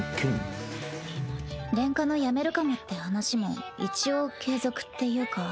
レンカノやめるかもって話も一応継続っていうか。